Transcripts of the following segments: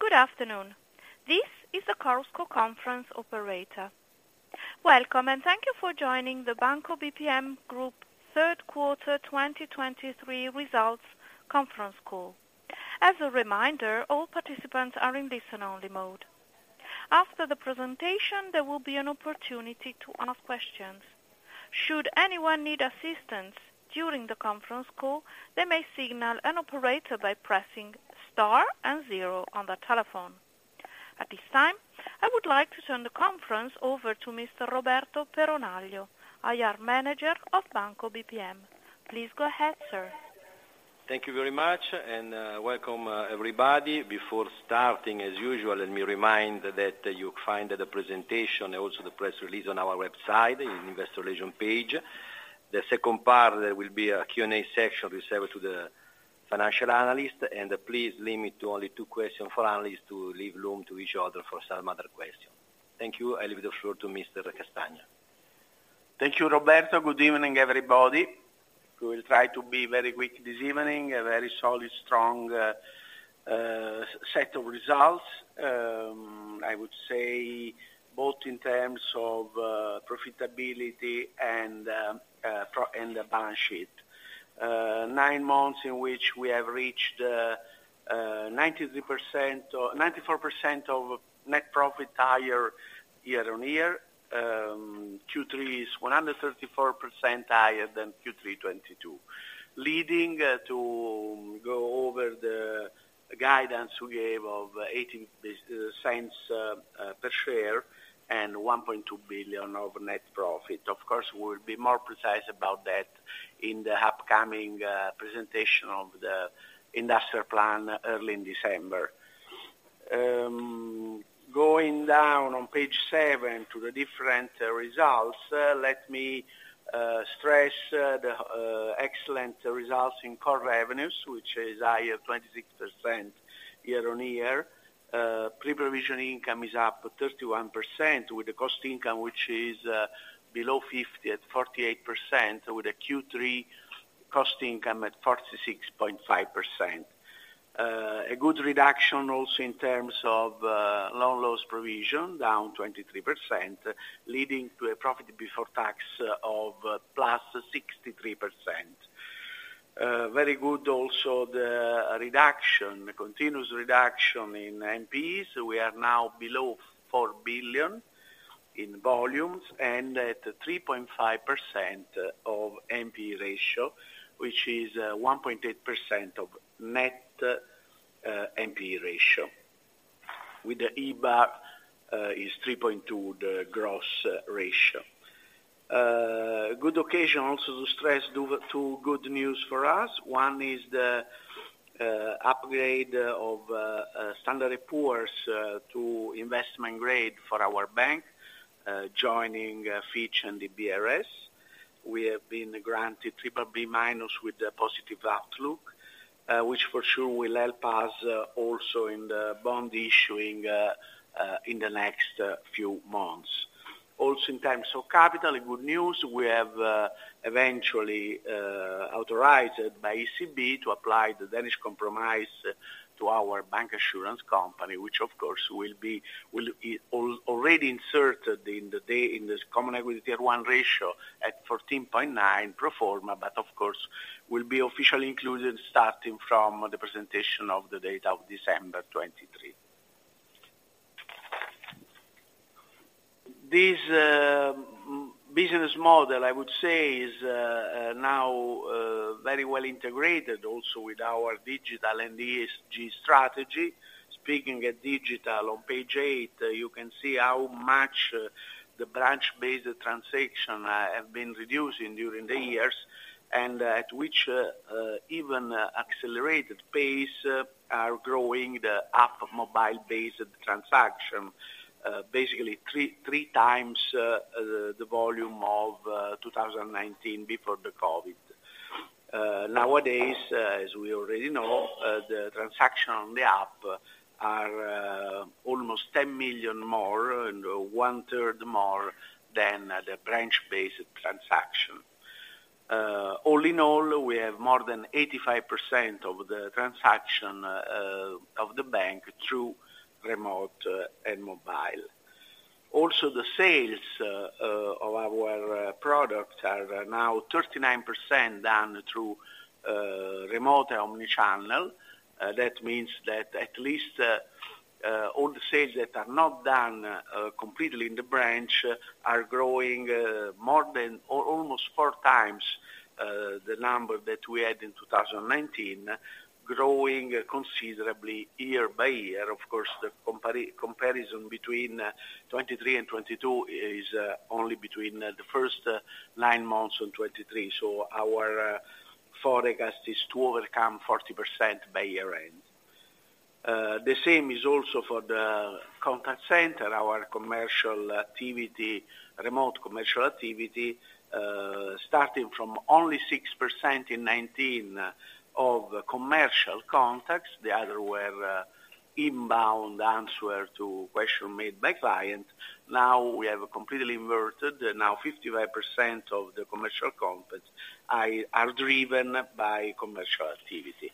Good afternoon. This is the Chorus Call Conference Operator. Welcome, and thank you for joining the Banco BPM Group third quarter 2023 results conference call. As a reminder, all participants are in listen-only mode. After the presentation, there will be an opportunity to ask questions. Should anyone need assistance during the conference call, they may signal an operator by pressing Star and zero on the telephone. At this time, I would like to turn the conference over to Mr. Roberto Peronaglio, IR Manager of Banco BPM. Please go ahead, sir. Thank you very much, and welcome everybody. Before starting, as usual, let me remind that you find the presentation, also the press release on our website in Investor Relations page. The second part, there will be a Q&A section reserved to the financial analyst, and please limit to only two questions for analysts to leave room to each other for some other question. Thank you. I leave the floor to Mr. Castagna. Thank you, Roberto. Good evening, everybody. We will try to be very quick this evening. A very solid, strong set of results. I would say both in terms of profitability and the balance sheet. Nine months in which we have reached 93% or 94% of net profit higher year-on-year. Q3 is 134% higher than Q3 2022, leading to go over the guidance we gave of 0.18 per share and 1.2 billion of net profit. Of course, we'll be more precise about that in the upcoming presentation of the industrial plan early in December. Going down on page seven to the different results, let me stress the excellent results in core revenues, which is higher 26% year-on-year. Pre-provision income is up 31% with the cost income, which is below 50, at 48%, with a Q3 cost income at 46.5%. A good reduction also in terms of loan loss provision, down 23%, leading to a profit before tax of +63%. Very good also the reduction, continuous reduction in NPEs. We are now below 4 billion in volumes and at 3.5% of NPE ratio, which is, one point eight percent of net, NPE ratio. With the EBA, is 3.2, the gross ratio. Good occasion also to stress two good news for us. One is the, upgrade of, S&P, to investment grade for our bank, joining, Fitch and the S&P. We have been granted BBB- with a positive outlook, which for sure will help us, also in the bond issuing, in the next, few months. Also, in terms of capital, a good news, we have, eventually, authorized by ECB to apply the Danish Compromise to our bank assurance company, which of course, will be, will be already inserted in the day, in this common equity tier one ratio at 14.9% pro forma, but of course, will be officially included starting from the presentation of the date of December 2023. This, business model, I would say, is, now, very well integrated also with our digital and ESG strategy. Speaking at digital, on page eight, you can see how much, the branch-based transaction, have been reducing during the years, and at which, even accelerated pace are growing the app mobile-based transaction. Basically three times, the volume of, 2019 before the COVID. Nowadays, as we already know, the transaction on the app are almost 10 million and one-third more than the branch-based transaction. All in all, we have more than 85% of the transaction of the bank through remote and mobile. Also, the sales of our product are now 39% done through remote omni-channel. That means that at least all the sales that are not done completely in the branch are growing more than almost four times the number that we had in 2019, growing considerably year by year. Of course, the comparison between 2023 and 2022 is only between the first nine months of 2023. So our forecast is to overcome 40% by year-end. The same is also for the contact center, our commercial activity, remote commercial activity, starting from only 6% in 2019 of commercial contacts. The other were inbound answer to question made by clients. Now we have completely inverted. Now 55% of the commercial contacts are driven by commercial activity.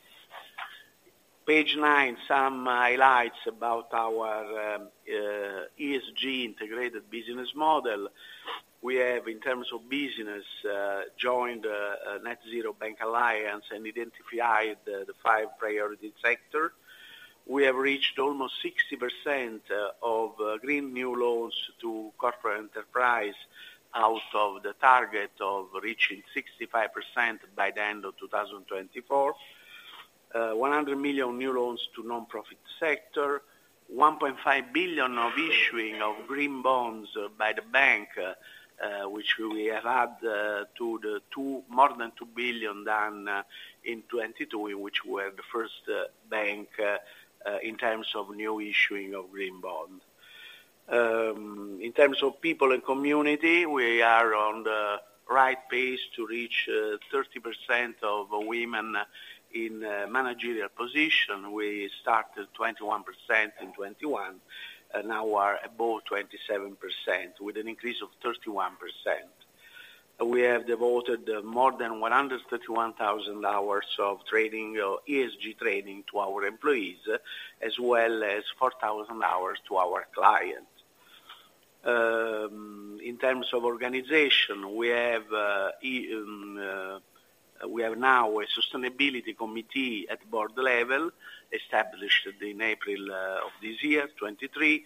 Page nine, some highlights about our ESG integrated business model. We have, in terms of business, joined Net-Zero Banking Alliance and identified the five priority sector. We have reached almost 60% of green new loans to corporate enterprise out of the target of reaching 65% by the end of 2024. One hundred million new loans to nonprofit sector, 1.5 billion of issuing of green bonds by the bank, which we have had to the two, more than 2 billion than in 2022, in which we're the first bank in terms of new issuing of green bond. In terms of people and community, we are on the right pace to reach 30% of women in managerial position. We started 21% in 2021, and now are above 27%, with an increase of 31%. We have devoted more than 131,000 hours of training or ESG training to our employees, as well as 4,000 hours to our clients. In terms of organization, we have now a sustainability committee at board level, established in April of this year, 2023.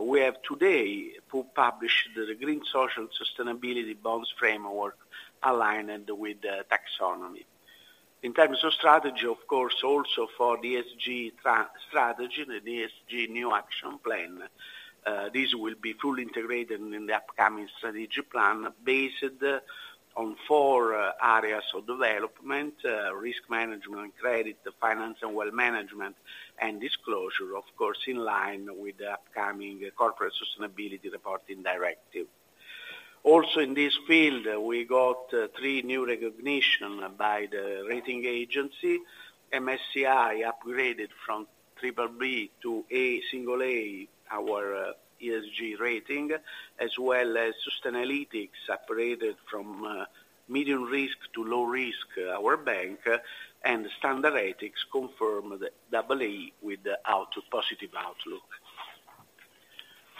We have today published the green social sustainability bonds framework aligned with the taxonomy. In terms of strategy, of course, also for the ESG strategy, the ESG new action plan. This will be fully integrated in the upcoming strategy plan based on four areas of development: risk management, credit, finance and wealth management, and disclosure, of course, in line with the upcoming corporate sustainability reporting directive. Also, in this field, we got three new recognition by the rating agency. MSCI upgraded from BBB to A, single A, our ESG rating, as well as Sustainalytics upgraded from medium risk to low risk, our bank, and Standard Ethics confirmed AA with positive outlook.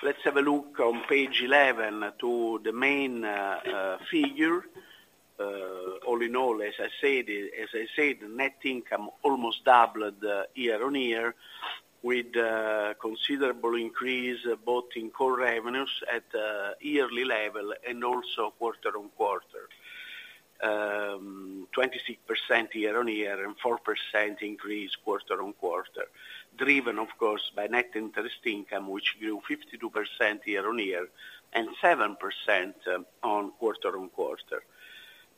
Let's have a look on page 11 to the main figure. All in all, as I said, net income almost doubled year-on-year, with considerable increase both in core revenues at yearly level and also quarter-on-quarter. 26% year-on-year and 4% increase quarter-on-quarter. Driven, of course, by net interest income, which grew 52% year-on-year and 7% quarter-on-quarter.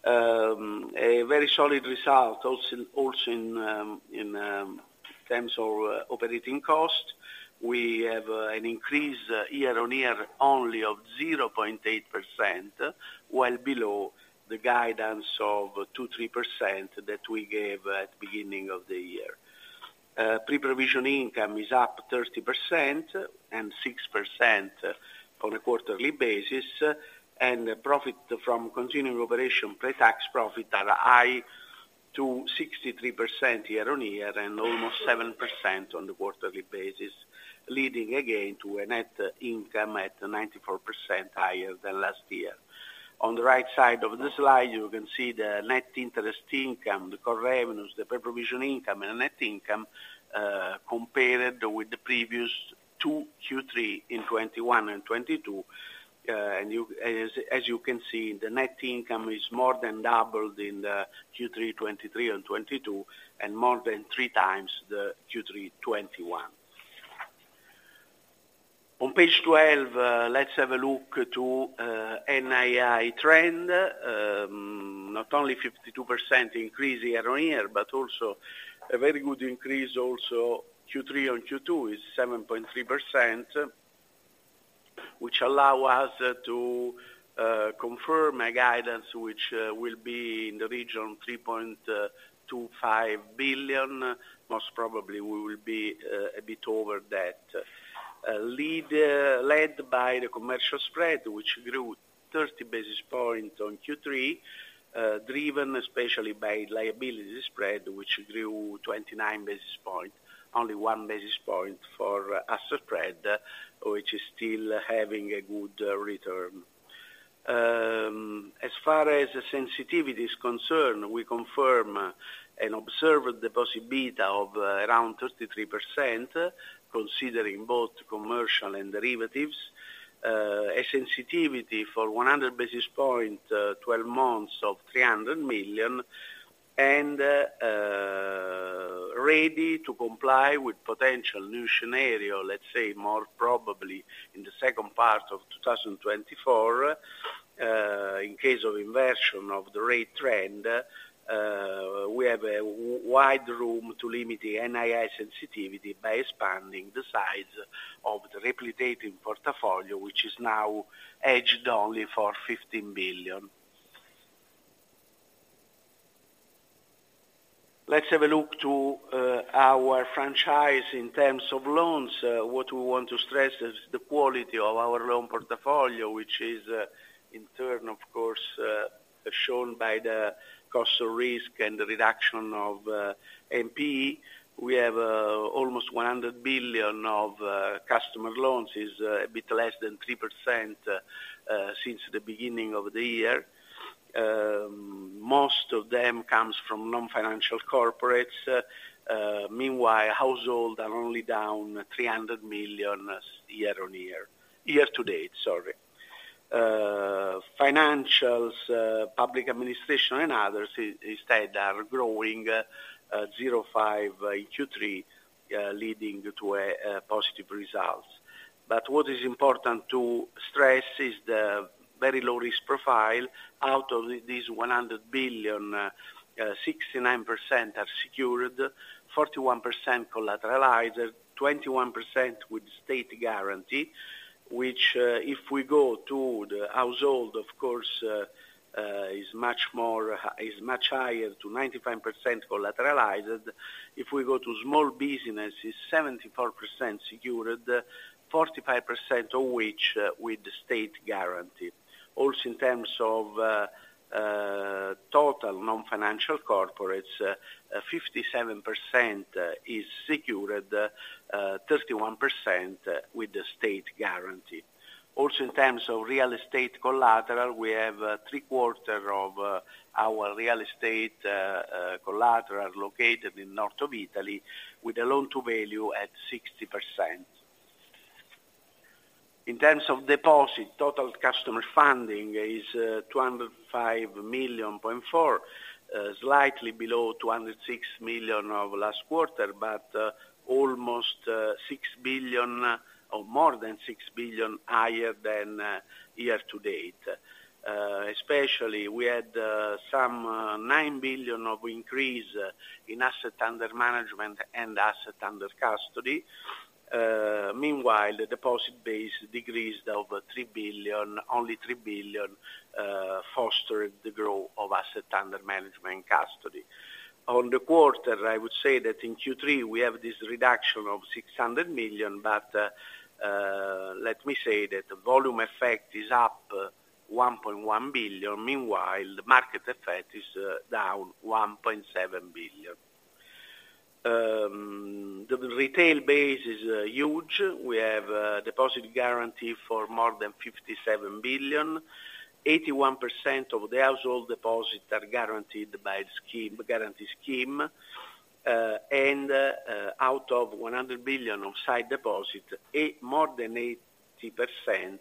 A very solid result, also in terms of operating costs. We have an increase year-on-year only of 0.8%, well below the guidance of 2%-3% that we gave at beginning of the year. Pre-provision income is up 30% and 6% on a quarterly basis, and the profit from continuing operation, pre-tax profit, are high to 63% year-on-year and almost 7% on the quarterly basis, leading again to a net income at 94% higher than last year. On the right side of the slide, you can see the net interest income, the core revenues, the pre-provision income and net income, compared with the previous two Q3 in 2021 and 2022. And you, as you can see, the net income is more than doubled in the Q3, 2023 and 2022, and more than three times the Q3 2021. On page 12, let's have a look to NII trend. Not only 52% increase year-over-year, but also a very good increase also, Q3-over-Q2 is 7.3%, which allow us to confirm a guidance which will be in the region 3.25 billion. Most probably, we will be a bit over that. Led by the commercial spread, which grew 30 basis points on Q3, driven especially by liability spread, which grew 29 basis points, only one basis point for asset spread, which is still having a good return. As far as the sensitivity is concerned, we confirm and observe the possibility of around 33%, considering both commercial and derivatives. A sensitivity for 100 basis points, 12 months of 300 million, and ready to comply with potential new scenario, let's say, more probably in the second part of 2024. In case of inversion of the rate trend, we have a wide room to limit the NII sensitivity by expanding the size of the replicating portfolio, which is now hedged only for 15 billion. Let's have a look at our franchise in terms of loans, what we want to stress is the quality of our loan portfolio, which is, in turn, of course, shown by the cost of risk and the reduction of NPE. We have almost 100 billion of customer loans, is a bit less than 3% since the beginning of the year. Most of them comes from non-financial corporates. Meanwhile, household are only down EUR 300 million year-on-year, year-to-date, sorry. Financials, public administration and others, instead, are growing 0.5 Q3, leading to a positive results. But what is important to stress is the very low risk profile. Out of these 100 billion, 69% are secured, 41% collateralized, 21% with state guarantee, which, if we go to the household, of course, is much more, is much higher to 95% collateralized. If we go to small businesses, 74% secured, 45% of which with state guarantee. Also, in terms of total non-financial corporates, 57% is secured, 31% with the state guarantee. Also, in terms of real estate collateral, we have three quarters of our real estate collateral located in north of Italy, with a loan-to-value at 60%. In terms of deposit, total customer funding is 205.4 million, slightly below 206 million of last quarter, but almost 6 billion or more than 6 billion higher than year-to-date. Especially, we had some 9 billion of increase in asset under management and asset under custody. Meanwhile, the deposit base decreased over 3 billion, only 3 billion, fostered the growth of asset under management and custody. On the quarter, I would say that in Q3, we have this reduction of 600 million, but let me say that the volume effect is up 1.1 billion. Meanwhile, the market effect is down 1.7 billion. The retail base is huge. We have a deposit guarantee for more than 57 billion. 81% of the household deposits are guaranteed by scheme, guarantee scheme, and out of 100 billion of sight deposits, more than 80%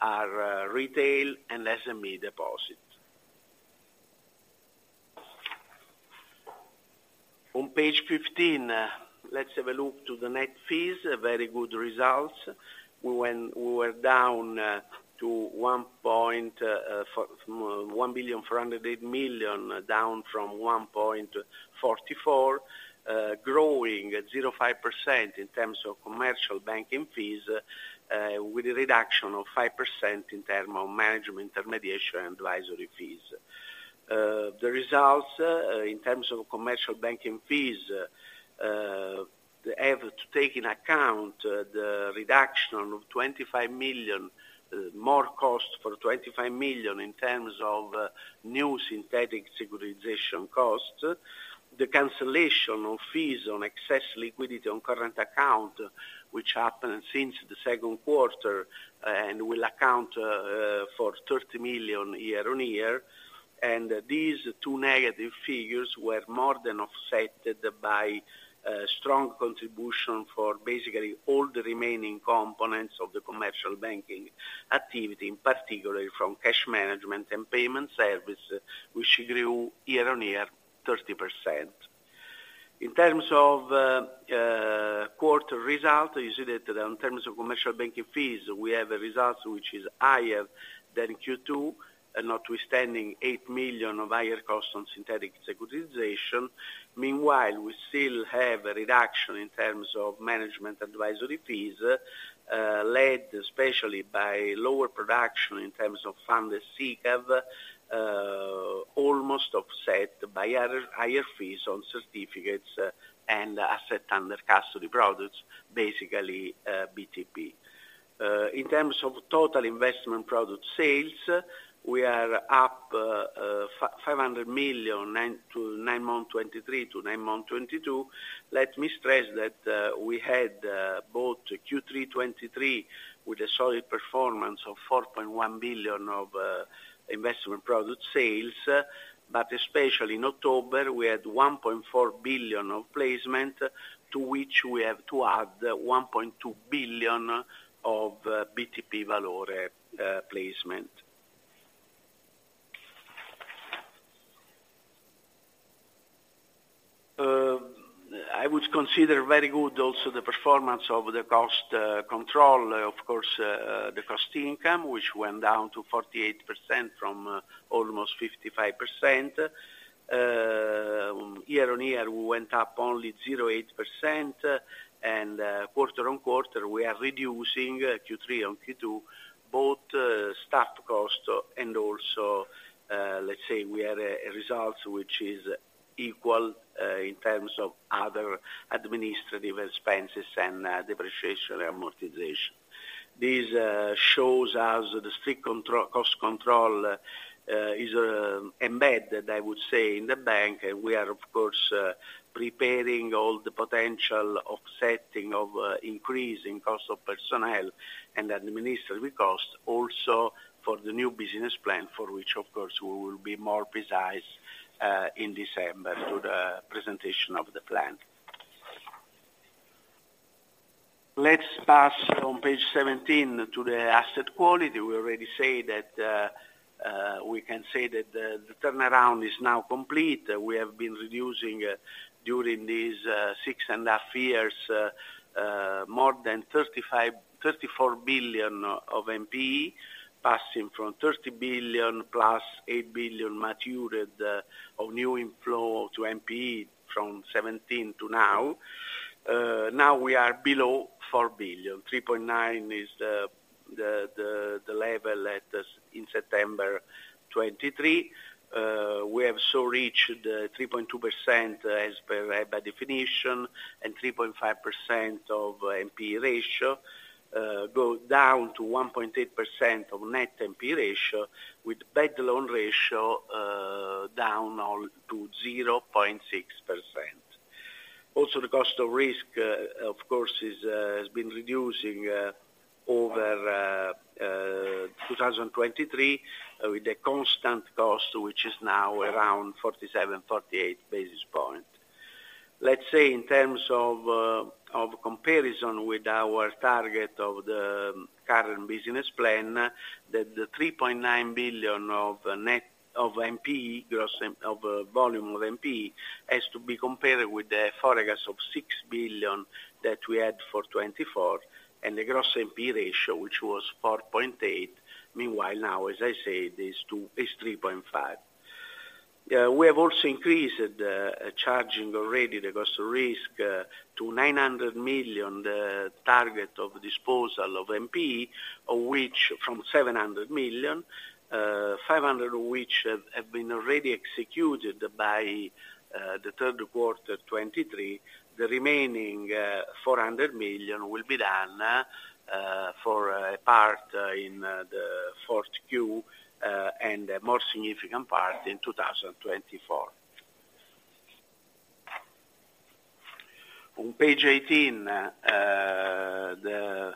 are retail and SME deposits. On page 15, let's have a look to the net fees, a very good results. We were down to 1.408 billion, down from 1.44 billion, growing at 0.5% in terms of commercial banking fees, with a reduction of 5% in term of management, intermediation, and advisory fees. The results, in terms of commercial banking fees, they have to take into account the reduction of 25 million, more cost for 25 million in terms of new synthetic securitization costs, the cancellation of fees on excess liquidity on current account, which happened since the second quarter and will account for 30 million year-on-year. These two negative figures were more than offset by strong contribution for basically all the remaining components of the commercial banking activity, in particular from cash management and payment service, which grew year-on-year 30%. In terms of quarter results, you see that in terms of commercial banking fees, we have a result which is higher than Q2, notwithstanding 8 million of higher costs on synthetic securitization. Meanwhile, we still have a reduction in terms of management advisory fees, led especially by lower production in terms of funded SICAV, almost offset by other higher fees on certificates and asset under custody products, basically, BTP. In terms of total investment product sales, we are up 500 million, nine-month 2023 to nine-month 2022. Let me stress that, we had both Q3 2023 with a solid performance of 4.1 billion of investment product sales, but especially in October, we had 1.4 billion of placement, to which we have to add 1.2 billion of BTP Valore placement. I would consider very good also the performance of the cost control, of course, the cost income, which went down to 48% from almost 55%. Year-on-year, we went up only 0.8%, and quarter-on-quarter, we are reducing Q3 on Q2, both staff cost and also let's say we had a result which is equal in terms of other administrative expenses and depreciation and amortization. This shows us the strict control, cost control is embedded, I would say, in the bank, and we are, of course, preparing all the potential offsetting of increase in cost of personnel and administrative costs also for the new business plan, for which, of course, we will be more precise in December through the presentation of the plan. Let's pass on page 17 to the asset quality. We already say that we can say that the turnaround is now complete. We have been reducing, during these 6.5 years, more than 35, 34 billion of NPE, passing from 30 billion + 8 billion matured, of new inflow to NPE from 2017 to now. Now we are below 4 billion. 3.9 billion is the level at in September 2023. We have so reached 3.2%, as per by definition, and 3.5% of NPE ratio, go down to 1.8% of net NPE ratio, with bad loan ratio down to 0.6%. Also, the cost of risk, of course, has been reducing over 2023, with a constant cost, which is now around 47-48 basis points. Let's say in terms of, of comparison with our target of the current business plan, that the 3.9 billion of net, of NPE, gross NPE volume of NPE, has to be compared with the forecast of 6 billion that we had for 2024, and the gross NPE ratio, which was 4.8%, meanwhile, now, as I said, is 2, is 3.5%. We have also increased, charging already the cost of risk, to 900 million, the target of disposal of NPE, of which from 700 million, 500 million which have been already executed by, the third quarter 2023. The remaining, 400 million will be done, for a part in, the fourth Q, and a more significant part in 2024. On page 18, the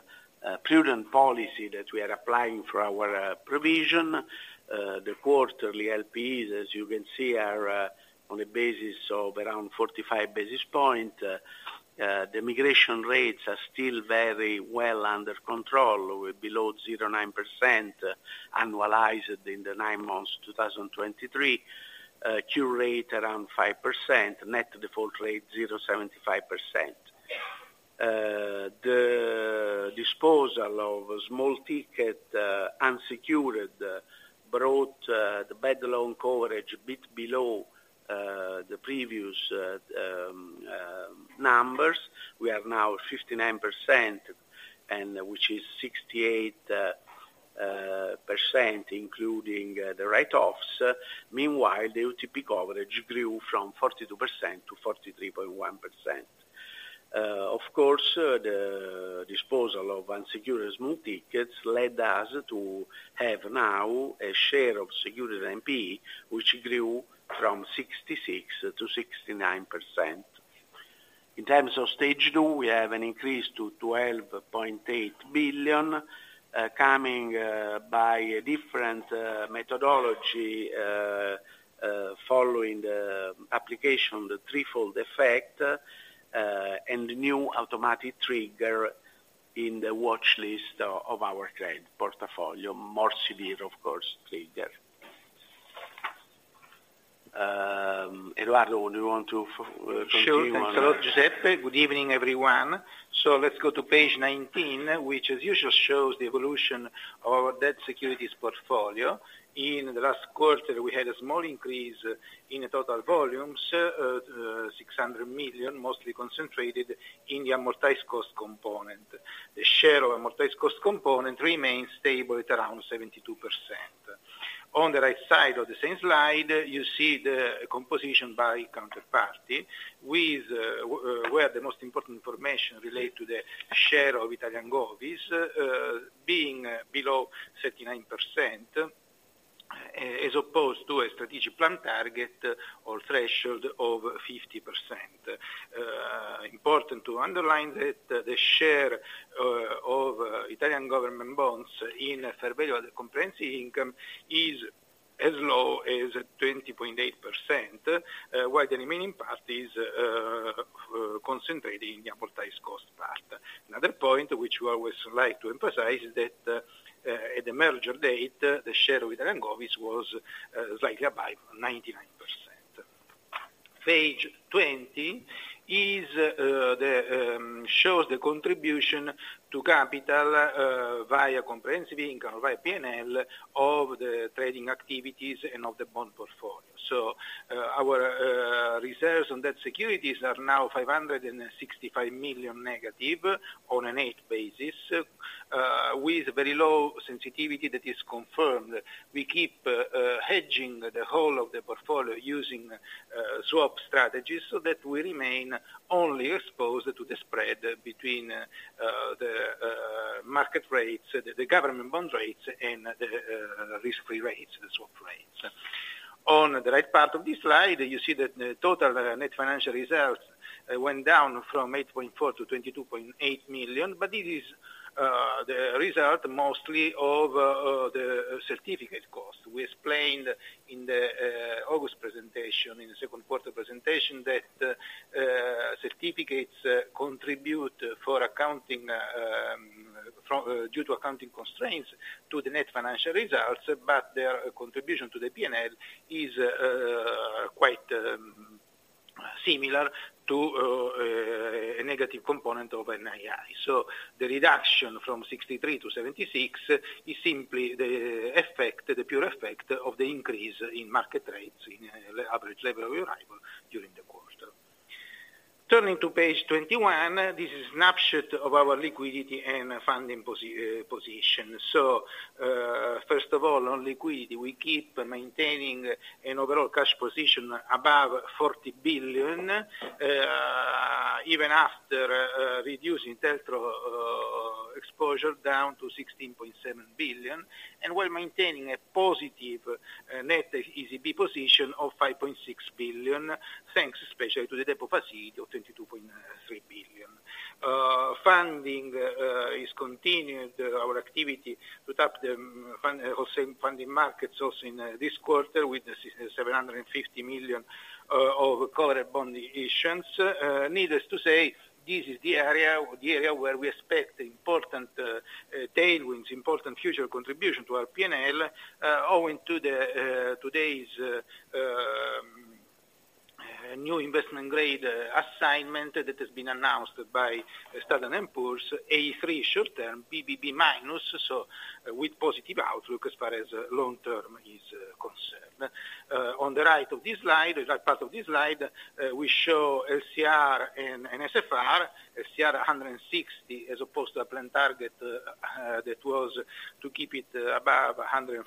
prudent policy that we are applying for our provision, the quarterly LLPs, as you can see, are on a basis of around 45 basis points. The migration rates are still very well under control, with below 0.9%, annualized in the nine months, 2023. Cure rate around 5%, net default rate 0.75%. The disposal of small-ticket unsecured brought the bad loan coverage a bit below the previous numbers. We are now 59%, and which is 68%, including the write-offs. Meanwhile, the UTP coverage grew from 42% to 43.1%. Of course, the disposal of unsecured small tickets led us to have now a share of secured NPE, which grew from 66%-69%. In terms of Stage Two, we have an increase to 12.8 billion, coming by a different methodology, following the application, the threefold effect, and the new automatic trigger in the watchlist of our trade portfolio. More severe, of course, trigger. Edoardo, would you want to continue on? Sure. Thank you, Giuseppe. Good evening, everyone. So let's go to page 19, which as usual, shows the evolution of our debt securities portfolio. In the last quarter, we had a small increase in the total volumes, 600 million, mostly concentrated in the amortized cost component. The share of amortized cost component remains stable at around 72%. On the right side of the same slide, you see the composition by counterparty, with, where the most important information relate to the share of Italian Govies, being below 39%, as opposed to a strategic plan target or threshold of 50%. Important to underline that the share, of, Italian government bonds in OCI comprehensive income is as low as 20.8%, while the remaining part is, concentrated in the amortized cost part. Another point, which we always like to emphasize, is that, at the merger date, the share of Italian Govies was slightly above 99%. Page 20 shows the contribution to capital via comprehensive income, via PNL, of the trading activities and of the bond portfolio. So, our reserves on debt securities are now 565 million negative on an OCI basis, with very low sensitivity that is confirmed. We keep hedging the whole of the portfolio using swap strategies, so that we remain only exposed to the spread between the market rates, the government bond rates, and the risk-free rates, the swap rates. On the right part of this slide, you see that the total net financial reserves went down from 8.4 million to 22.8 million, but it is the result mostly of the certificate cost. We explained in the August presentation, in the second quarter presentation, that certificates contribute for accounting from due to accounting constraints to the net financial results, but their contribution to the PNL is quite similar to a negative component of NII. So the reduction from 63 to 76 is simply the effect, the pure effect of the increase in market rates in average level of arrival during the quarter. Turning to page 21, this is snapshot of our liquidity and funding position. First of all, on liquidity, we keep maintaining an overall cash position above 40 billion, even after reducing central exposure down to 16.7 billion, and while maintaining a positive net ECB position of 5.6 billion, thanks especially to the deposit of 22.3 billion. Funding is continued. Our activity to tap the wholesale funding markets also in this quarter, with the 750 million of covered bond issues. Needless to say, this is the area, the area where we expect important tailwinds, important future contribution to our PNL, owing to today's new investment grade assignment that has been announced by Standard & Poor's, A3 short-term, BBB-, so with positive outlook as far as long-term is concerned. On the right of this slide, the right part of this slide, we show LCR and NSFR. LCR, 160, as opposed to a planned target, that was to keep it above 140%.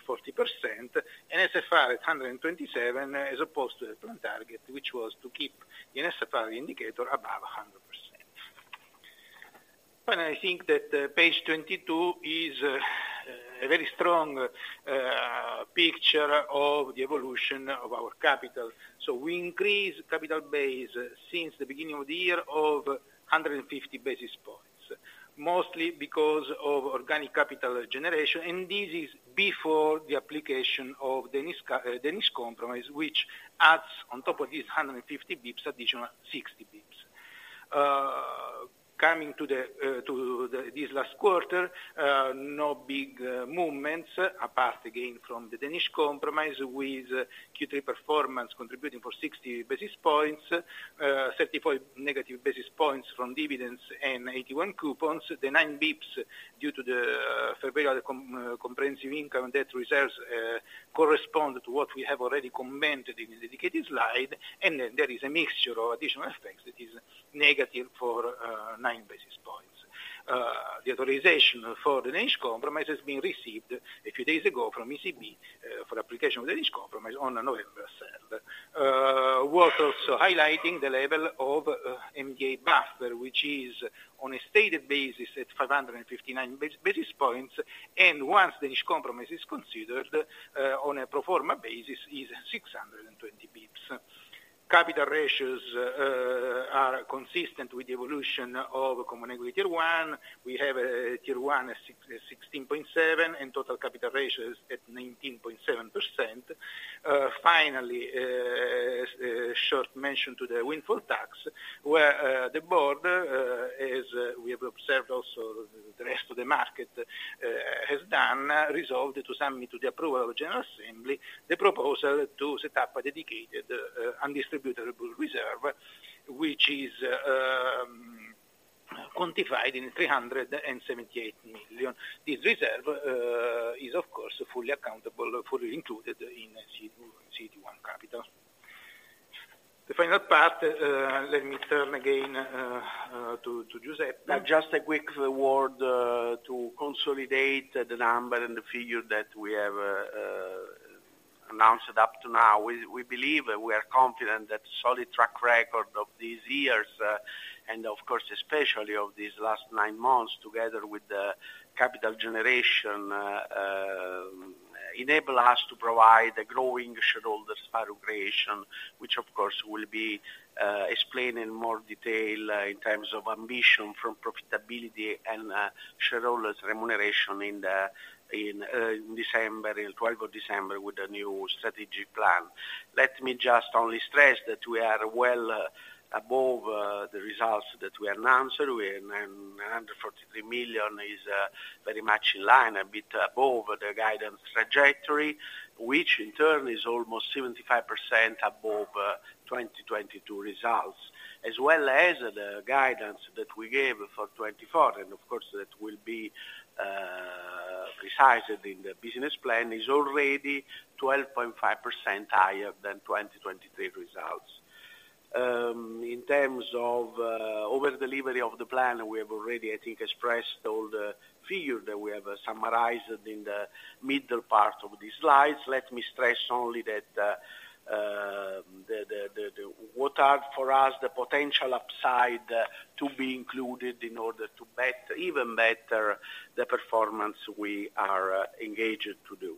NSFR at 127, as opposed to the target, which was to keep the NSFR indicator above 100%. And I think that, page 22 is, a very strong, picture of the evolution of our capital. So we increase capital base since the beginning of the year of 150 basis points, mostly because of organic capital generation, and this is before the application of Danish Compromise, which adds on top of this 150 basis points, additional 60 basis points. Coming to the, to the, this last quarter, no big, movements, apart again from the Danish Compromise, with Q3 performance contributing for 60 basis points, 34 negative basis points from dividends and 81 coupons. The nine basis points, due to the February comprehensive income and debt reserves, correspond to what we have already commented in the dedicated slide, and then there is a mixture of additional effects that is negative for nine basis points. The authorization for the Danish Compromise has been received a few days ago from ECB, for application of the Danish Compromise on November seventh. Worth also highlighting the level of MDA buffer, which is on a stated basis at 559 basis points, and once the Danish Compromise is considered, on a pro forma basis, is 620 basis points. Capital ratios are consistent with the evolution of Common Equity Tier 1. We have a Tier 1, 16.7, and total capital ratios at 19.7%. Finally, short mention to the windfall tax, where the board, as we have observed also the rest of the market, has resolved to submit to the approval of General Assembly the proposal to set up a dedicated undistributable reserve, which is quantified in 378 million. This reserve is, of course, fully accountable or fully included in CET1 capital. The final part, let me turn again to Giuseppe. Just a quick word to consolidate the number and the figure that we have announced up to now. We, we believe, we are confident that solid track record of these years, and of course, especially of these last nine months, together with the capital generation, enable us to provide a growing shareholders value creation, which of course, will be, explained in more detail, in terms of ambition from profitability and, shareholders remuneration in the, in, December 12 with a new strategic plan. Let me just only stress that we are well above, the results that we announced. We are, 143 million is, very much in line, a bit above the guidance trajectory, which in turn is almost 75% above, 2022 results, as well as the guidance that we gave for 2024, and of course, that will be,... ...specified in the business plan, is already 12.5% higher than 2023 results. In terms of over delivery of the plan, we have already, I think, expressed all the figures that we have summarized in the middle part of these slides. Let me stress only that, what are, for us, the potential upside to be included in order to better, even better the performance we are engaged to do.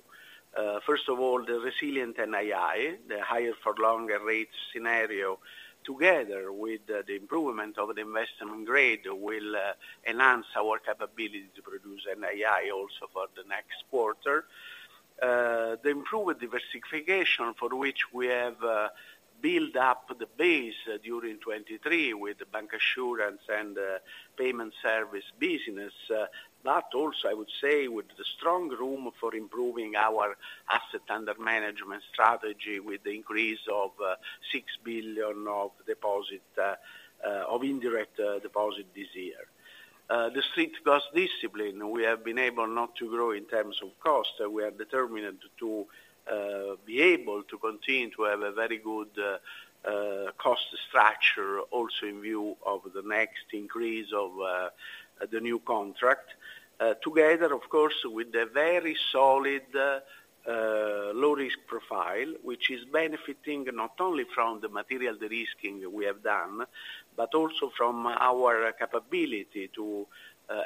First of all, the resilient NII, the higher for longer rate scenario, together with the improvement of the investment grade, will enhance our capability to produce NII also for the next quarter. The improved diversification, for which we have built up the base during 2023 with the bancassurance and payment service business. That also, I would say, with the strong room for improving our asset under management strategy with the increase of 6 billion of indirect deposit this year. The strict cost discipline, we have been able not to grow in terms of cost. We are determined to be able to continue to have a very good cost structure, also in view of the next increase of the new contract. Together, of course, with the very solid low risk profile, which is benefiting not only from the material de-risking we have done, but also from our capability to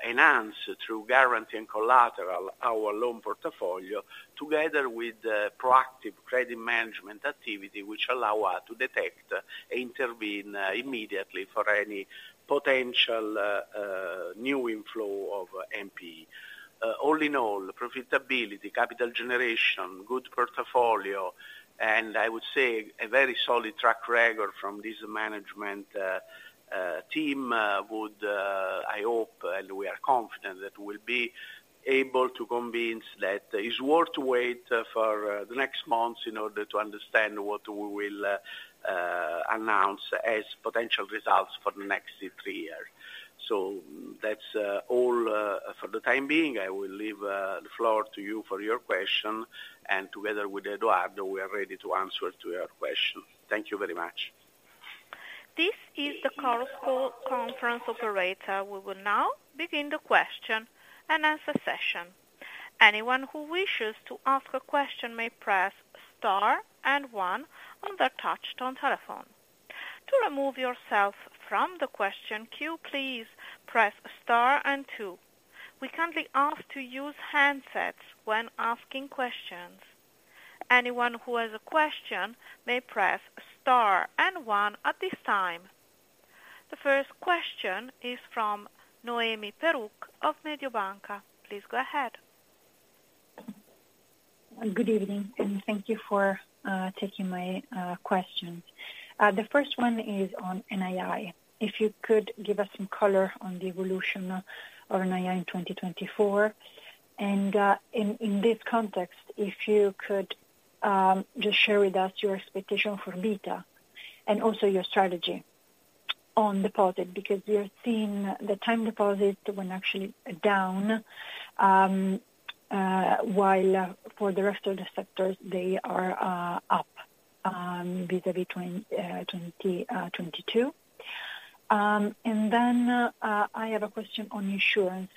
enhance through guarantee and collateral, our loan portfolio, together with the proactive credit management activity, which allow us to detect and intervene immediately for any potential new inflow of NP. All in all, profitability, capital generation, good portfolio, and I would say a very solid track record from this management team would, I hope, and we are confident, that we'll be able to convince that it's worth to wait for the next months in order to understand what we will announce as potential results for the next three years. So that's all for the time being. I will leave the floor to you for your question, and together with Edoardo, we are ready to answer to your question. Thank you very much. This is the conference call operator. We will now begin the question and answer session. Anyone who wishes to ask a question may press star and one on their touch-tone telephone. To remove yourself from the question queue, please press star and two. We kindly ask to use handsets when asking questions. Anyone who has a question may press star and one at this time. The first question is from Noemi Peruch of Mediobanca. Please go ahead. Good evening, and thank you for taking my questions. The first one is on NII. If you could give us some color on the evolution of NII in 2024, and in this context, if you could just share with us your expectation for beta and also your strategy on deposit, because we are seeing the time deposit when actually down, while for the rest of the sectors, they are up, vis-à-vis 2022. And then, I have a question on insurance.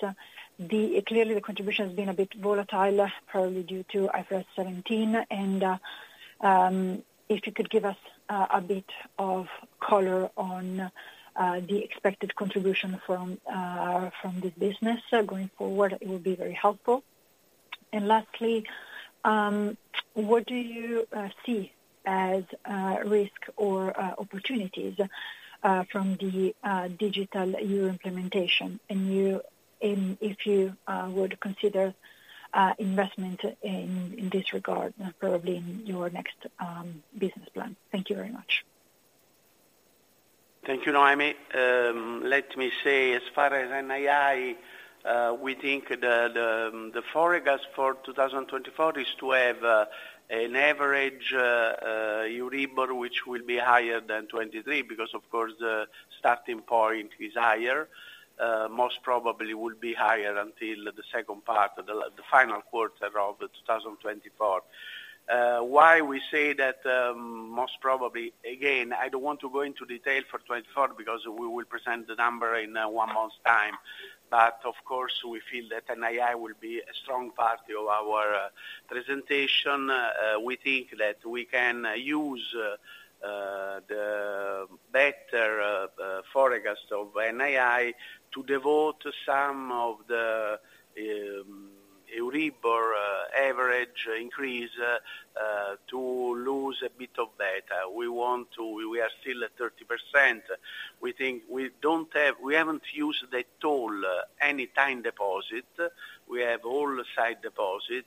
Clearly, the contribution has been a bit volatile, probably due to IFRS 17, and if you could give us a bit of color on the expected contribution from this business going forward, it will be very helpful. And lastly, what do you see as risk or opportunities from the digital euro implementation? If you would consider investment in this regard, probably in your next business plan. Thank you very much. Thank you, Noemi. Let me say, as far as NII, we think the forecast for 2024 is to have an average EURIBOR, which will be higher than 2023, because, of course, the starting point is higher. Most probably will be higher until the second part, the final quarter of 2024. Why we say that, most probably, again, I don't want to go into detail for 2024 because we will present the number in one month's time. But of course, we feel that NII will be a strong part of our presentation. We think that we can use the better forecast of NII to devote some of the EURIBOR average increase to lose a bit of beta. We want to... We are still at 30%. We think we don't have—we haven't used at all, any time deposit. We have all sight deposit.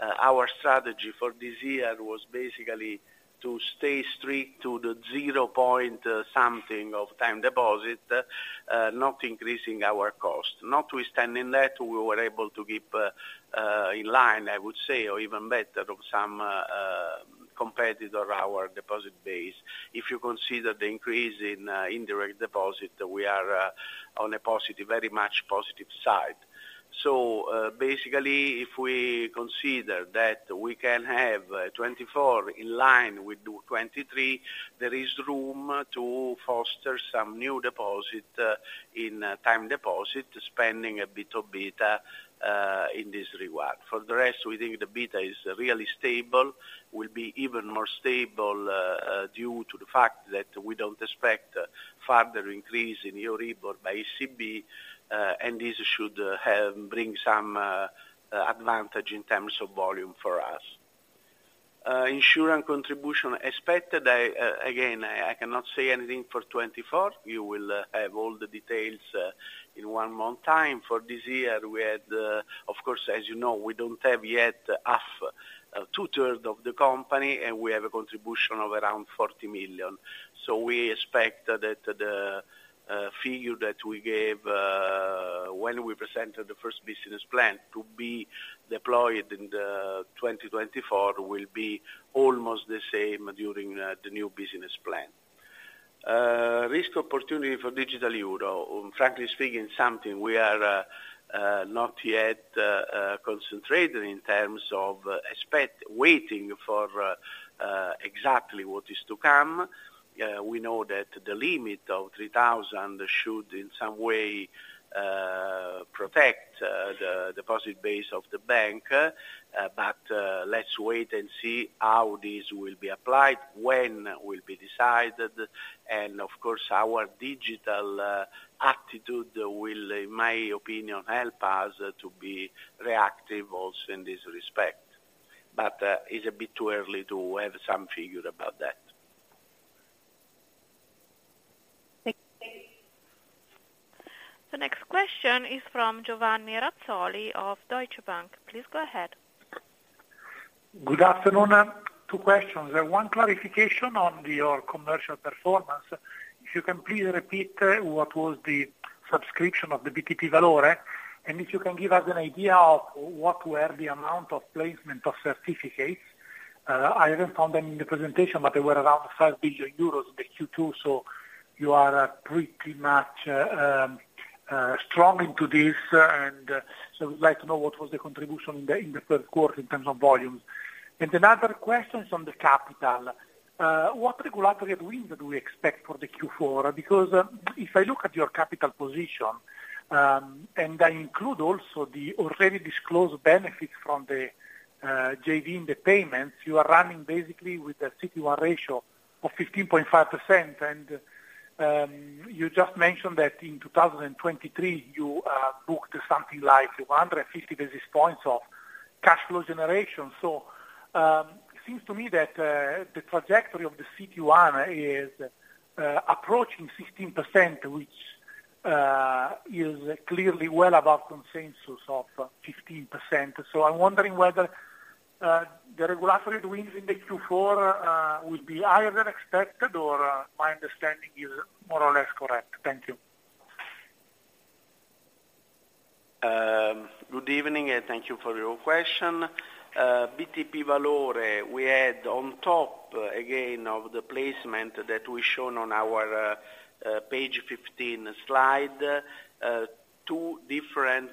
Our strategy for this year was basically to stay strict to the zero point something of time deposit, not increasing our cost. Notwithstanding that, we were able to keep in line, I would say, or even better of some beta of our deposit base. If you consider the increase in indirect deposit, we are on a positive, very much positive side. So, basically, if we consider that we can have 2024 in line with 2023, there is room to foster some new deposit in time deposit, spending a bit of beta in this regard. For the rest, we think the beta is really stable, will be even more stable, due to the fact that we don't expect further increase in EURIBOR by ECB, and this should have, bring some, advantage in terms of volume for us. Insurance contribution expected, I, again, I, I cannot say anything for 2024. You will, have all the details, in one more time. For this year, we had, of course, as you know, we don't have yet half, two-third of the company, and we have a contribution of around 40 million. So we expect that the, figure that we gave, when we presented the first business plan to be deployed in the 2024, will be almost the same during, the new business plan. Risk opportunity for digital euro. Frankly speaking, something we are not yet concentrated in terms of waiting for exactly what is to come. We know that the limit of 3,000 should, in some way, protect the deposit base of the bank, but let's wait and see how this will be applied, when will be decided. And of course, our digital attitude will, in my opinion, help us to be reactive also in this respect. But it's a bit too early to have some figure about that. Thank you. The next question is from Giovanni Razzoli of Deutsche Bank. Please go ahead. Good afternoon. Two questions. One, clarification on your commercial performance. If you can please repeat, what was the subscription of the BTP Valore, and if you can give us an idea of what were the amount of placement of certificates. I haven't found them in the presentation, but they were around 5 billion euros in the Q2, so you are, pretty much, strong into this, and, so we'd like to know what was the contribution in the, in the third quarter in terms of volumes. Another question is on the capital. What regulatory wins do we expect for the Q4? Because, if I look at your capital position, and I include also the already disclosed benefits from the, JV in the payments, you are running basically with a CET1 ratio of 15.5%. You just mentioned that in 2023, you booked something like 150 basis points of cash flow generation. So, it seems to me that the trajectory of the CET1 is approaching 16%, which is clearly well above consensus of 15%. So I'm wondering whether the regulatory wins in the Q4 will be higher than expected, or my understanding is more or less correct? Thank you. Good evening, and thank you for your question. BTP Valore, we had on top, again, of the placement that we shown on our page 15 slide, two different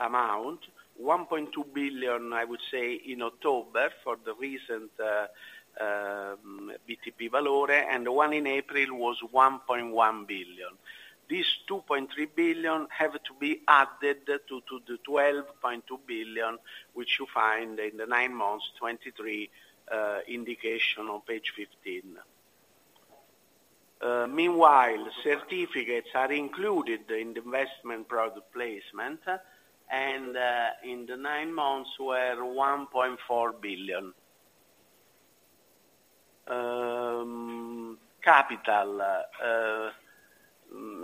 amount. 1.2 billion, I would say, in October for the recent BTP Valore, and the one in April was 1.1 billion. These 2.3 billion have to be added to the 12.2 billion, which you find in the nine months, 2023 indication on page 15. Meanwhile, certificates are included in the investment product placement, and in the nine months were 1.4 billion. Capital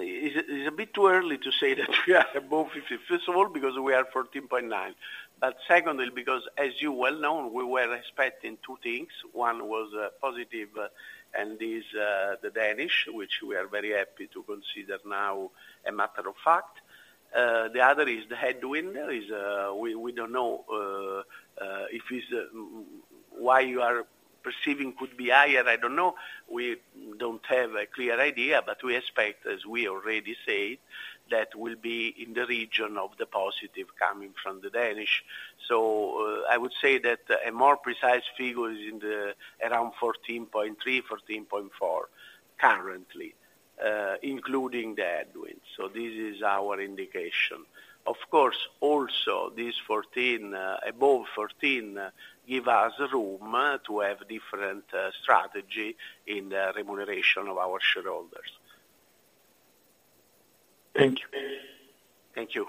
is a bit too early to say that we are above 50. First of all, because we are 14.9. But secondly, because as you well know, we were expecting two things. One was positive, and this, the Danish, which we are very happy to consider now a matter of fact. The other is the headwind; we don't know if it's why you are perceiving could be higher, I don't know. We don't have a clear idea, but we expect, as we already said, that will be in the region of the positive coming from the Danish. So I would say that a more precise figure is in the around 14.3, 14.4 currently, including the headwind. So this is our indication. Of course, also, this 14, above 14, give us room to have different strategy in the remuneration of our shareholders. Thank you. Thank you.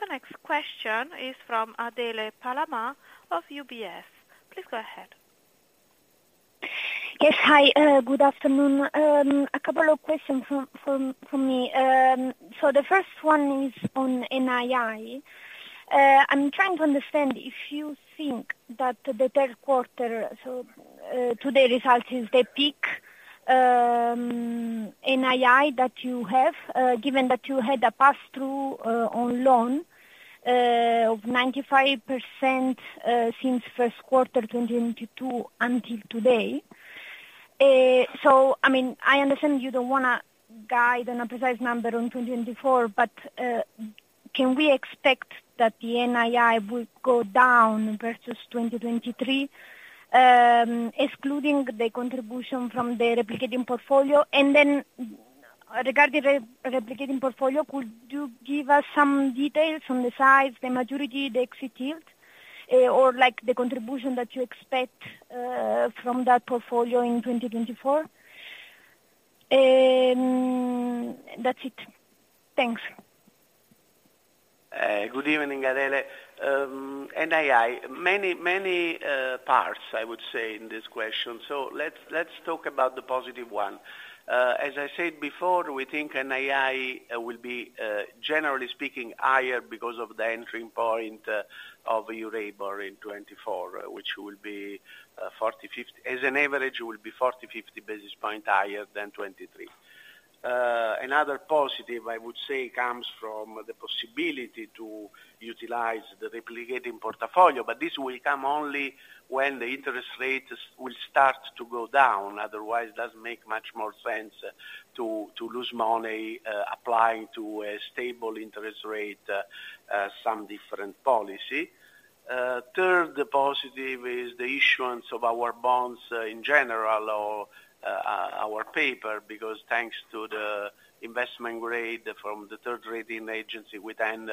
The next question is from Adele Palamà of UBS. Please go ahead. Yes. Hi, good afternoon. A couple of questions from me. So the first one is on NII. I'm trying to understand if you think that the third quarter, so, today results is the peak NII that you have, given that you had a pass-through on loan of 95%, since first quarter 2022 until today. So I mean, I understand you don't wanna guide on a precise number on 2024, but can we expect that the NII will go down versus 2023, excluding the contribution from the replicating portfolio? And then, regarding the replicating portfolio, could you give us some details on the size, the maturity, the exit yield, or like the contribution that you expect from that portfolio in 2024? That's it. Thanks. Good evening, Adele. NII, many, many parts, I would say, in this question, so let's talk about the positive one. As I said before, we think NII will be, generally speaking, higher because of the entering point of EURIBOR in 2024, which will be, 40-50... As an average, it will be 40-50 basis point higher than 2023. Another positive, I would say, comes from the possibility to utilize the replicating portfolio, but this will come only when the interest rates will start to go down. Otherwise, it doesn't make much more sense to lose money, applying to a stable interest rate, some different policy. Third, the positive is the issuance of our bonds, in general, or our paper, because thanks to the investment grade from the third rating agency, we then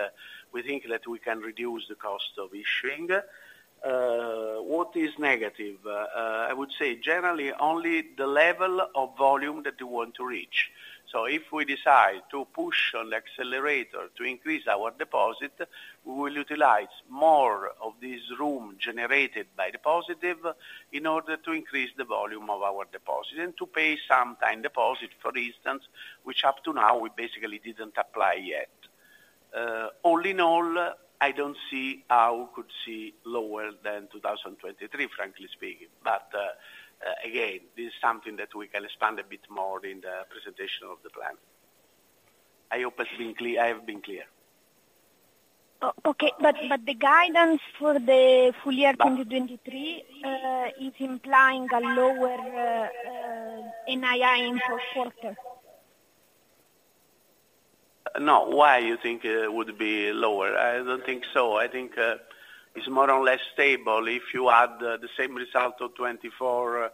we think that we can reduce the cost of issuing. What is negative? I would say generally only the level of volume that we want to reach. So if we decide to push on the accelerator to increase our deposit, we will utilize more of this room generated by the positive, in order to increase the volume of our deposit, and to pay some time deposit, for instance, which up to now, we basically didn't apply yet. All in all, I don't see how could see lower than 2023, frankly speaking. But again, this is something that we can expand a bit more in the presentation of the plan. I hope I've been clear, I have been clear. Okay, but, but the guidance for the full year 2023 is implying a lower NII in fourth quarter. No. Why you think it would be lower? I don't think so. I think it's more or less stable. If you add the same result of 2024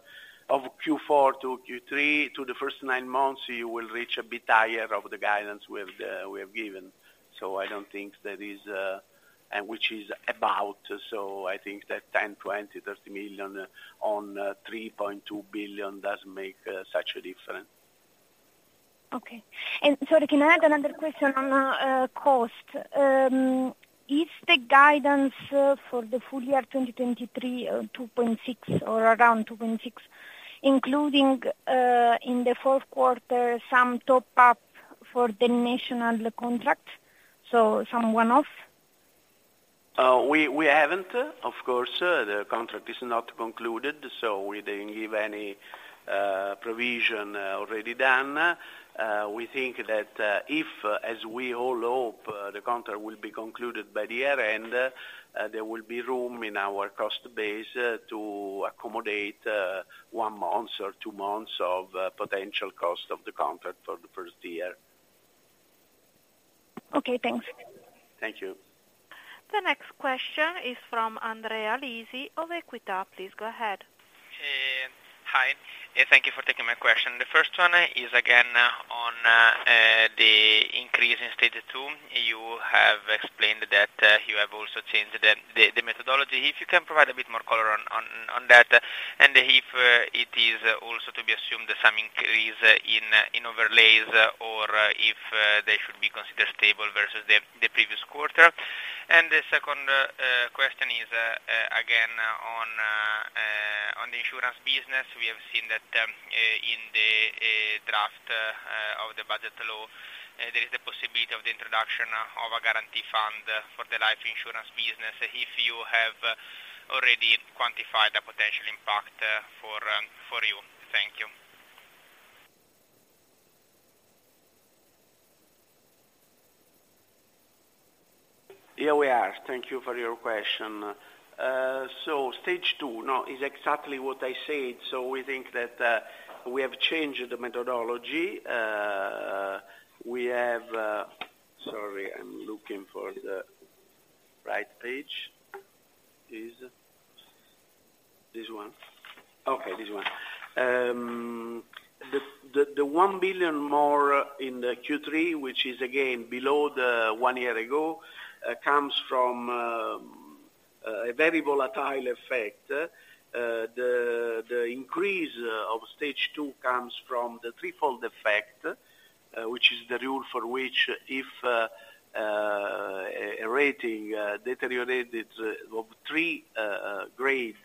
of Q4 to Q3 to the first nine months, you will reach a bit higher of the guidance we have we have given. So I don't think that is... And which is about, so I think that 10, 20, 30 million on 3.2 billion doesn't make such a difference. Okay. And sorry, can I add another question on, cost? Is the guidance, for the full year 2023, 2.6 or around 2.6, including, in the fourth quarter, some top up for the national contract, so some one-off? We haven't. Of course, the contract is not concluded, so we didn't give any provision already done. We think that, if, as we all hope, the contract will be concluded by the year-end, there will be room in our cost base to accommodate one month or two months of potential cost of the contract for the first year. Okay, thanks. Thank you. The next question is from Andrea Lisi of Equita. Please go ahead. Hi, and thank you for taking my question. The first one is again on the increase in Stage Two. You have explained that you have also changed the methodology. If you can provide a bit more color on that, and if it is also to be assumed that some increase in overlays or if they should be considered stable versus the previous quarter. And the second question is again on the insurance business. We have seen that in the draft of the budget law there is the possibility of the introduction of a guarantee fund for the life insurance business. If you have already quantified the potential impact for you. Thank you. Here we are. Thank you for your question. So Stage Two, now, is exactly what I said. So we think that we have changed the methodology. Sorry, I'm looking for the right page. Is this one? Okay, this one. The 1 billion more in the Q3, which is again below the 1 year ago, comes from a very volatile effect. The increase of Stage Two comes from the threefold effect, which is the rule for which if a rating deteriorated of 3 grade,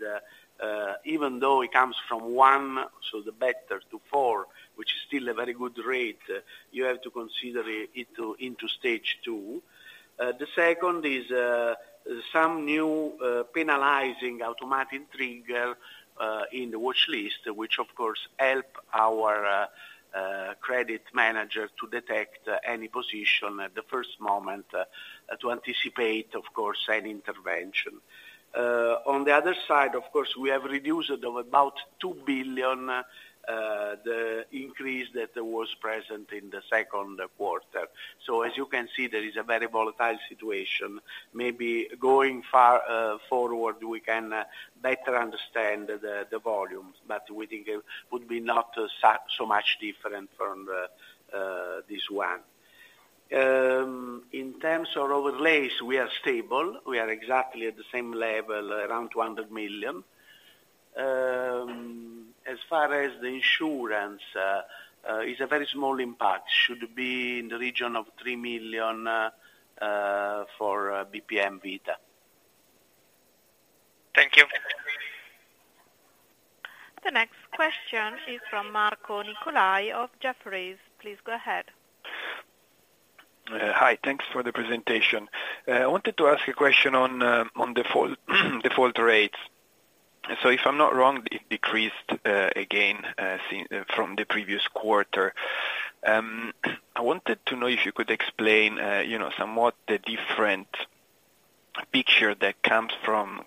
even though it comes from 1, so the better, to 4, which is still a very good rate, you have to consider it into Stage Two. The second is some new penalizing automatic trigger in the watchlist, which of course help our credit manager to detect any position at the first moment to anticipate, of course, an intervention. On the other side, of course, we have reduced of about 2 billion the increase that was present in the second quarter. So as you can see, there is a very volatile situation. Maybe going far forward, we can better understand the volumes, but we think it would be not so much different from this one. In terms of overlays, we are stable. We are exactly at the same level, around 200 million. As far as the insurance is a very small impact, should be in the region of 3 million for BPM Vita. Thank you. The next question is from Marco Nicolai of Jefferies. Please go ahead. Hi. Thanks for the presentation. I wanted to ask a question on default rates. So if I'm not wrong, it decreased again from the previous quarter. I wanted to know if you could explain, you know, somewhat the different picture that comes from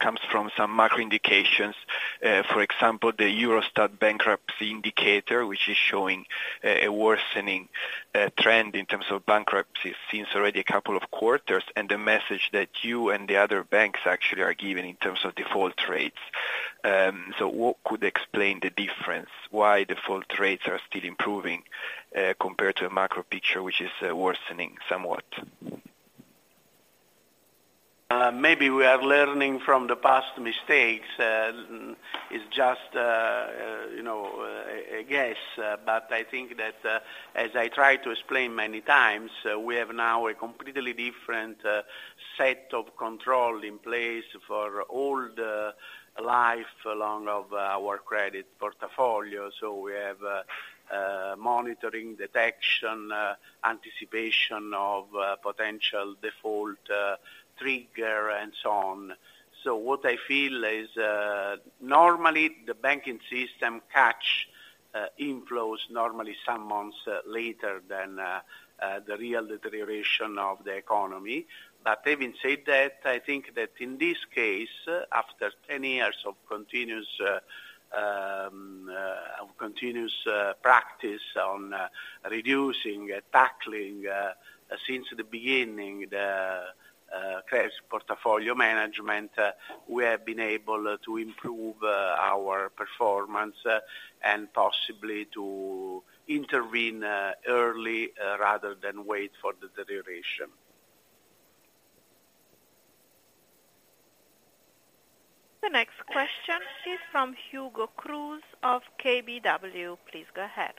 some macro indications. For example, the Eurostat bankruptcy indicator, which is showing a worsening trend in terms of bankruptcies since already a couple of quarters, and the message that you and the other banks actually are giving in terms of default rates. So what could explain the difference, why default rates are still improving compared to a macro picture, which is worsening somewhat? Maybe we are learning from the past mistakes. It's just, you know, a guess, but I think that, as I tried to explain many times, we have now a completely different set of control in place for all the life along of our credit portfolio. So we have monitoring, detection, anticipation of potential default trigger, and so on. So what I feel is, normally the banking system catch inflows, normally some months later than the real deterioration of the economy. But having said that, I think that in this case, after 10 years of continuous of continuous practice on reducing, tackling since the beginning, the credits portfolio management, we have been able to improve our performance and possibly to intervene early, rather than wait for deterioration. The next question is from Hugo Cruz of KBW. Please go ahead.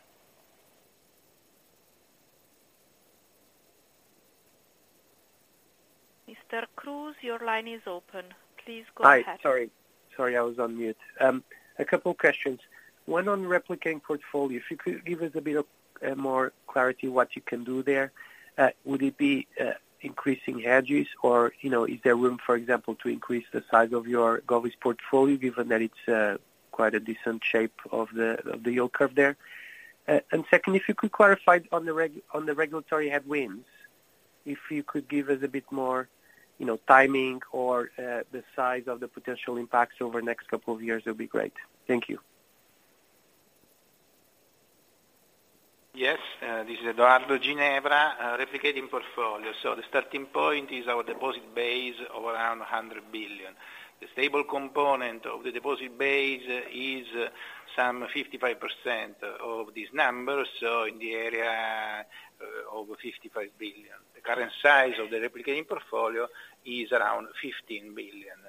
Mr. Cruz, your line is open. Please go ahead. Hi. Sorry, sorry, I was on mute. A couple of questions. One, on replicating portfolios, if you could give us a bit of more clarity, what you can do there. Would it be increasing hedges, or, you know, is there room, for example, to increase the size of your Govis portfolio, given that it's quite a decent shape of the yield curve there? And second, if you could clarify on the regulatory headwinds, if you could give us a bit more, you know, timing or the size of the potential impacts over the next couple of years, it'll be great. Thank you. Yes, this is Edoardo Ginevra. Replicating Portfolio. So the starting point is our deposit base of around 100 billion. The stable component of the deposit base is some 55% of this number, so in the area of 55 billion. The current size of the replicating portfolio is around 15 billion.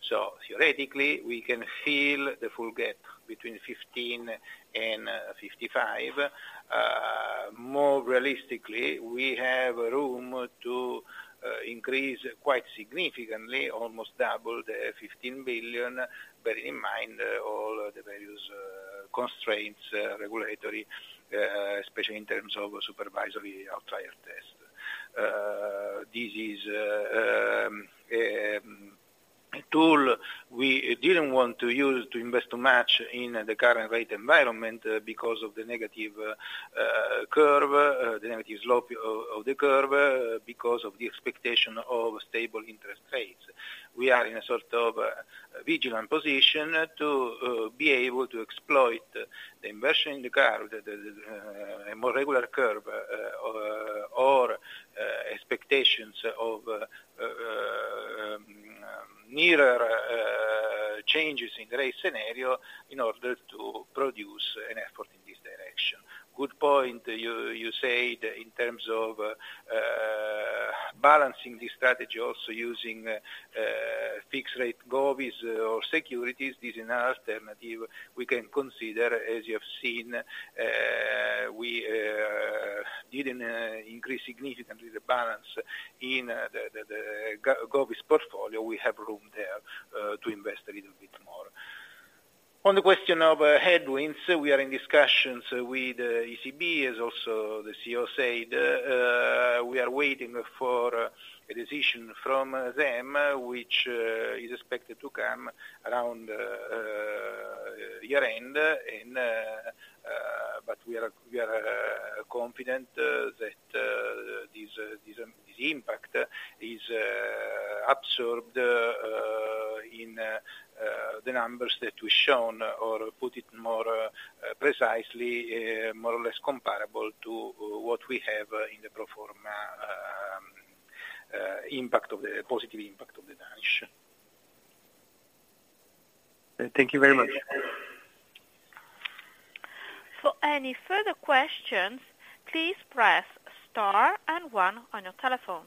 So theoretically, we can fill the full gap between 15 and 55. More realistically, we have room to increase quite significantly, almost double the 15 billion, bearing in mind all the various constraints, regulatory, especially in terms of supervisory outflow test. This is a tool we didn't want to use to invest too much in the current rate environment because of the negative curve, the negative slope of the curve, because of the expectation of stable interest rates. We are in a sort of vigilant position to be able to exploit the inversion in the curve, a more regular curve, or expectations of nearer changes in rate scenario in order to produce an effort in this direction. Good point, you said in terms of balancing this strategy, also using fixed rate Govis or securities; this is an alternative we can consider. As you have seen, we didn't increase significantly the balance in the Govis portfolio. We have room there to invest a little bit. On the question of headwinds, we are in discussions with ECB, as also the CEO said; we are waiting for a decision from them, which is expected to come around year-end. But we are confident that this impact is absorbed in the numbers that we've shown, or put it more precisely, more or less comparable to what we have in the pro forma impact of the positive impact of the Danish. Thank you very much. For any further questions, please press star and 1 on your telephone.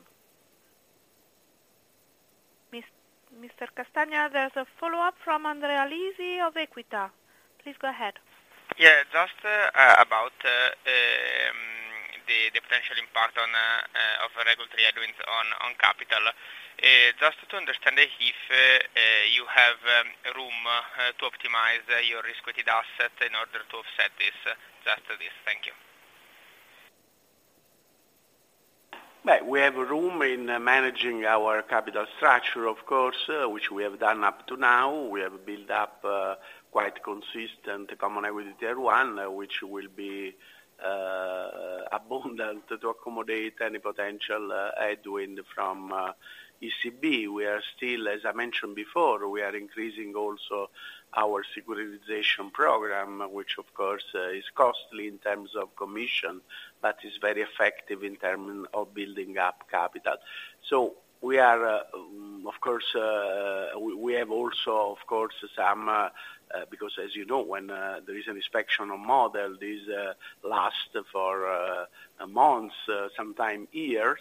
Mr. Castagna, there's a follow-up from Andrea Lisi of Equita. Please go ahead. Yeah, just about the potential impact of regulatory headwinds on capital. Just to understand if you have room to optimize your risk-weighted asset in order to offset this. Just this. Thank you. Well, we have room in managing our capital structure, of course, which we have done up to now. We have built up quite consistent Common Equity Tier 1, which will be abundant to accommodate any potential headwind from ECB. We are still, as I mentioned before, we are increasing also our securitization program, which of course is costly in terms of commission, but is very effective in terms of building up capital. So we are, of course, we have also, of course, some, because as you know, when there is an inspection on model, this last for months, sometimes years,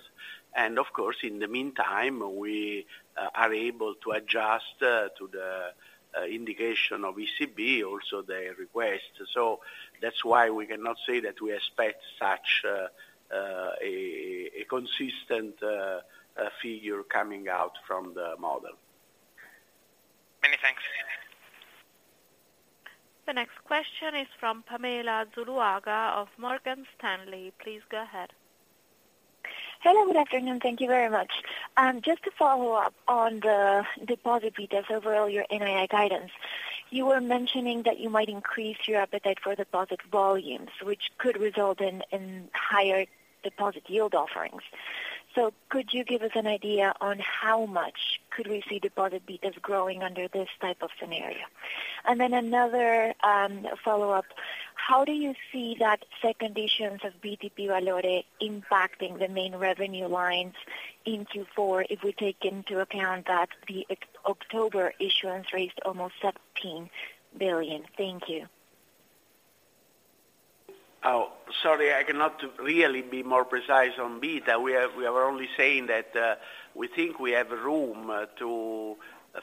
and of course, in the meantime, we are able to adjust to the indication of ECB, also their request. So that's why we cannot say that we expect such a consistent figure coming out from the model. Many thanks. The next question is from Pamela Zuluaga of Morgan Stanley. Please go ahead. Hello, good afternoon. Thank you very much. Just to follow up on the deposit betas over all your NII guidance, you were mentioning that you might increase your appetite for deposit volumes, which could result in higher deposit yield offerings. So could you give us an idea on how much could we see deposit betas growing under this type of scenario? And then another follow-up: how do you see that second issues of BTP Valore impacting the main revenue lines in Q4, if we take into account that the October issuance raised almost 17 billion? Thank you. Oh, sorry, I cannot really be more precise on beta. We are, we are only saying that, we think we have room to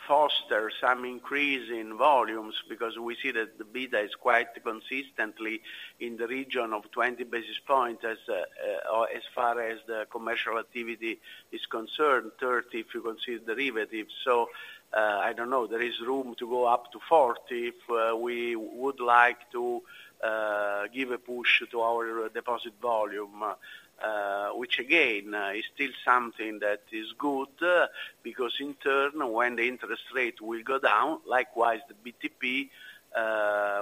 foster some increase in volumes because we see that the beta is quite consistently in the region of 20 basis points as, or as far as the commercial activity is concerned, 30, if you consider derivatives. So, I don't know. There is room to go up to 40, if we would like to give a push to our deposit volume, which again, is still something that is good, because in turn, when the interest rate will go down, likewise, the BTP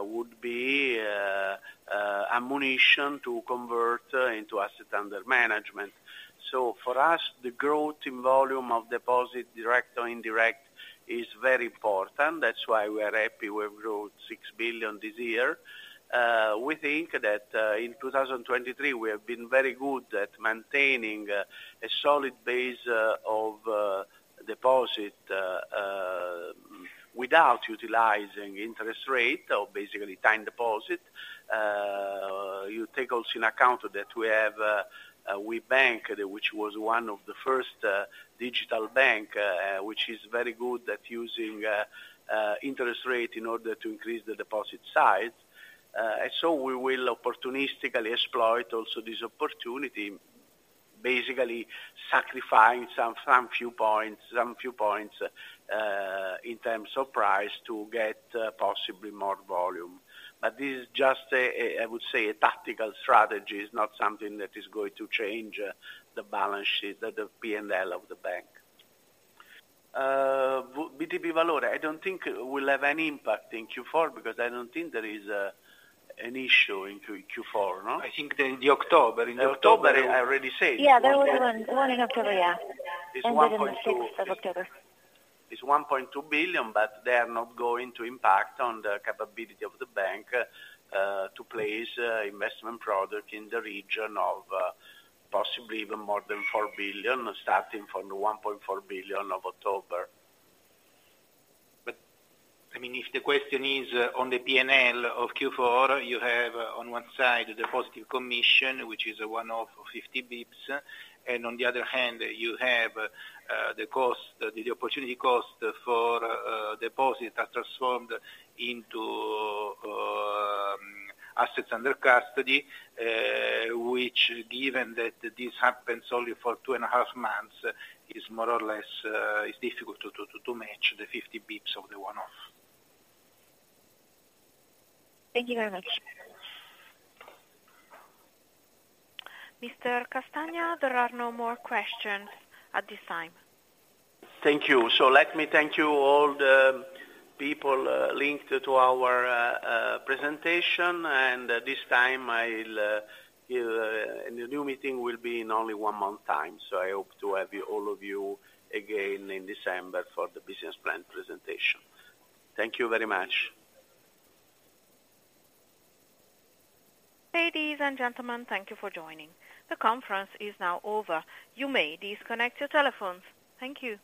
would be ammunition to convert into asset under management. So for us, the growth in volume of deposit, direct or indirect, is very important. That's why we are happy we've grown 6 billion this year. We think that in 2023, we have been very good at maintaining a solid base of deposit without utilizing interest rate or basically time deposit. You take also in account that we have Webank, which was one of the first digital bank, which is very good at using interest rate in order to increase the deposit size. And so we will opportunistically exploit also this opportunity, basically sacrificing some few points in terms of price to get possibly more volume. But this is just a I would say a tactical strategy. It's not something that is going to change the balance sheet, the P&L of the bank. BTP Valore, I don't think will have any impact in Q4 because I don't think there is an issue in Q4, no? I think in October, I already said. Yeah, there were 11 in October, yeah. Ended in the sixth of October. It's 1.2 billion, but they are not going to impact on the capability of the bank to place investment product in the region of possibly even more than 4 billion, starting from the 1.4 billion of October. But, I mean, if the question is on the P&L of Q4, you have on one side, the positive commission, which is a one-off of 50 basis points, and on the other hand, you have the cost, the opportunity cost for deposit that transformed into assets under custody, which given that this happens only for two and a half months, is more or less, it's difficult to match the 50 basis points of the one-off. Thank you very much. Mr. Castagna, there are no more questions at this time. Thank you. So let me thank you all the people linked to our presentation, and this time, I'll hear... The new meeting will be in only one month time, so I hope to have you, all of you again in December for the business plan presentation. Thank you very much. Ladies and gentlemen, thank you for joining. The conference is now over. You may disconnect your telephones. Thank you.